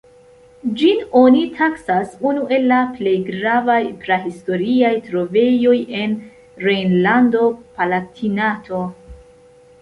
Ĝin oni taksas unu el la plej gravaj prahistoriaj trovejoj en Rejnlando-Palatinato.